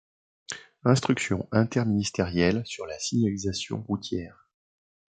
Instruction interministérielle sur la signalisation routière.